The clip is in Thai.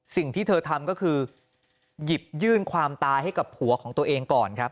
สิ่งที่เธอทำก็คือหยิบยื่นความตายให้กับผัวของตัวเองก่อนครับ